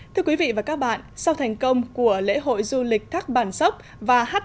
thưa quý vị và các bạn sau thành công của lễ hội du lịch thác bản dốc và hát